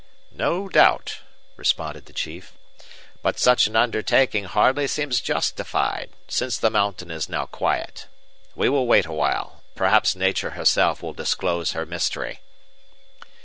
"No doubt," responded the chief, "but such an undertaking hardly seems justified, since the mountain is now quiet. We will wait awhile and perhaps nature herself will disclose her mystery."